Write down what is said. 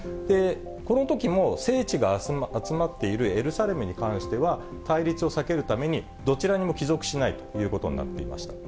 このときも、聖地が集まっているエルサレムに関しては、対立を避けるために、どちらにも帰属しないということになっていました。